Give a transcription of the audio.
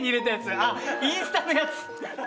あっインスタのやつ！